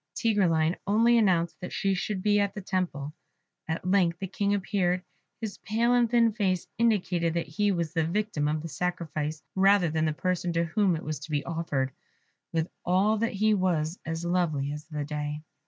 Tigreline only announced that she should be at the temple. At length the King appeared; his pale and thin face indicated that he was the victim of the sacrifice, rather than the person to whom it was to be offered. With all that he was as lovely as the day.